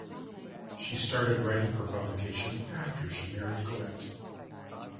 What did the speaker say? She started writing for publication after she married Collett.